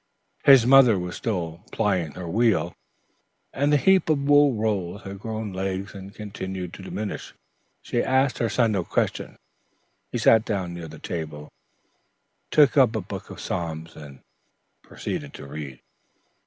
His mother was still plying her wheel, and the heap of wool rolls had grown less and continued to diminish. She asked her son no questions. He sat down near the table, took up a book of psalms and proceeded to read.